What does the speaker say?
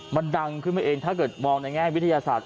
มันดังขึ้นมาเองถ้าเกิดมองในแง่วิทยาศาสต